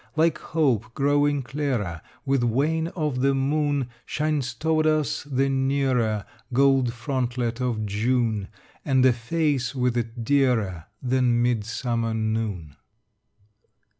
Like hope growing clearer With wane of the moon, Shines toward us the nearer Gold frontlet of June, And a face with it dearer Than midsummer noon.